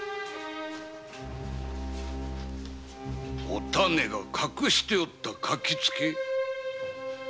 お種が隠していた書きつけ？